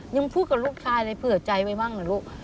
ยังพูดกับลูกชายเลยเผื่อใจไว้บ้างเหรอลูก